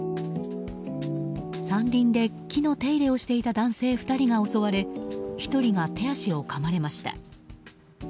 山林で木の手入れをしていた男性２人が襲われ１人が手足をかまれました。